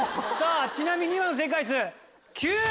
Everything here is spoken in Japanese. ちなみに今の正解数。